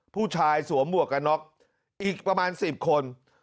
ผู้ชายสวมบวกกับน็อคอีกประมาณ๑๐คน